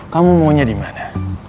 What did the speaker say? kamu maunya dimana